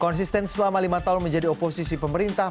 konsisten selama lima tahun menjadi oposisi pemerintah